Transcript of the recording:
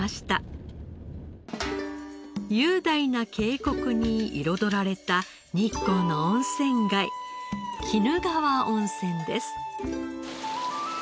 雄大な渓谷に彩られた日光の温泉街鬼怒川温泉です。